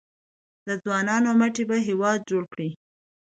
د ځوانانو مټې به هیواد جوړ کړي؟